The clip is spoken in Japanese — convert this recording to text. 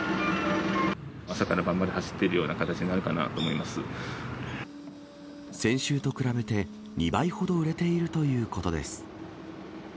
朝から晩まで走っているよう先週と比べて２倍ほど売れているということです。